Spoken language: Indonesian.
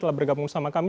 telah bergabung sama kami